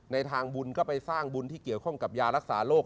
ในทางบุญก็ไปสร้างบุญที่เกี่ยวข้องกับยารักษาโรค